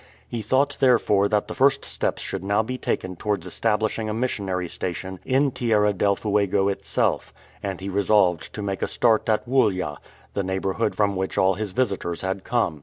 He thought therefore that the first steps should now be taken towards establishing a missionary station in Tierra del Fuego itself, and he resolved to make a start at Woollya, the neighbourhood from which all his visitors had come.